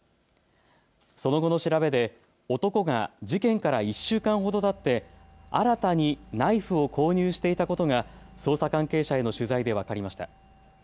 その後の調べで男が事件から１週間ほどたって、新たにナイフを購入していたことが捜査関係者への取材で分かりました。